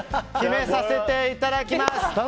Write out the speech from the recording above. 決めさせていただきます。